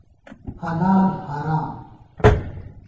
حلال حرام